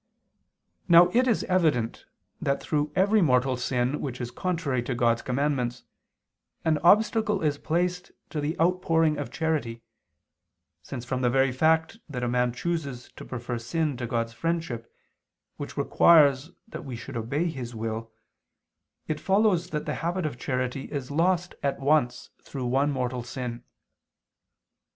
Now it is evident that through every mortal sin which is contrary to God's commandments, an obstacle is placed to the outpouring of charity, since from the very fact that a man chooses to prefer sin to God's friendship, which requires that we should obey His will, it follows that the habit of charity is lost at once through one mortal sin.